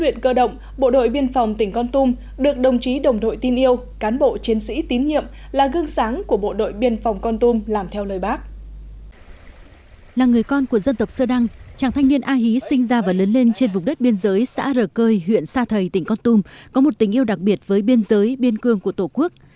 trong năm hai nghìn một mươi chàng người con của dân tộc sơ đăng chàng thanh niên a hí sinh ra và lớn lên trên vùng đất biên giới xã rờ cơi huyện sa thầy tỉnh con tum có một tình yêu đặc biệt với biên giới biên cương của tổ quốc